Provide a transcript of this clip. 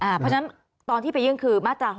เพราะฉะนั้นตอนที่ไปยื่นคือมาตรา๖๐